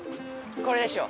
これでしょ。